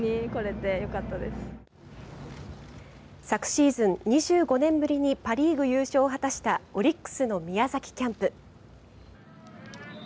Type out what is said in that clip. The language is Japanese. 昨シーズン２５年ぶりにパ・リーグ優勝を果たしたオリックスの宮崎キャンプ。